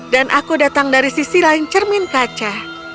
dan aku datang dari sisi lain cermin kaca